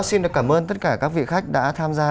xin được cảm ơn tất cả các vị khách đã tham gia